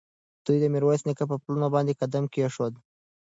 دوی د میرویس نیکه پر پلونو باندې قدم کېښود.